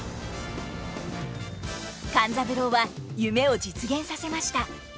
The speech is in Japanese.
勘三郎は夢を実現させました。